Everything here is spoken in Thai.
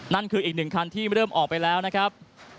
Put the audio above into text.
นั่นคืออีกหนึ่งคันที่เริ่มออกไปแล้วนะครับ